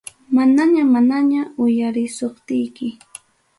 Manaña manaña uyarisuptiki.